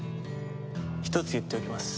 一つ言っておきます。